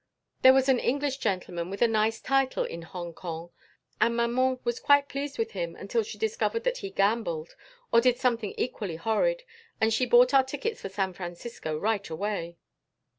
There was an English gentleman with a nice title in Hong Kong and maman was quite pleased with him until she discovered that he gambled or did something equally horrid and she bought our tickets for San Francisco right away."